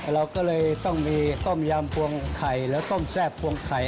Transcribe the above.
เราก็เลยต้องมีต้มยำพวงไข่แล้วต้มแซ่บพวงไข่